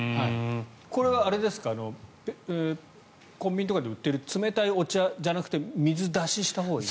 これはコンビニとかで売っている冷たいお茶じゃなくて水出ししたほうがいい？